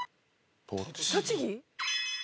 栃木⁉